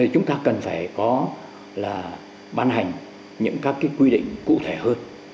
chúng ta cần phải có là ban hành những các quy định cụ thể hơn